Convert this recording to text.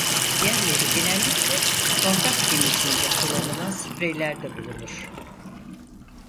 Diğerleri genellikle kontak temizliğinde kullanılan spreylerde bulunur.